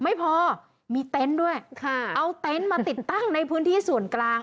ไม่พอมีเต็นต์ด้วยค่ะเอาเต็นต์มาติดตั้งในพื้นที่ส่วนกลาง